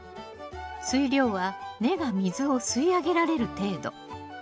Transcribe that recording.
水量は根が水を吸い上げられる程度。